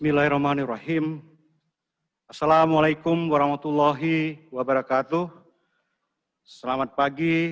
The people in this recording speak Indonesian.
bilalmanirrahim assalamualaikum warahmatullahi wabarakatuh selamat pagi